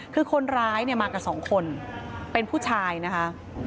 คือคนร้ายมากับ๒คนเป็นผู้ชายนะคะ